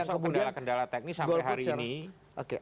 ini teman teman mas algit yang kemudian goal pitcher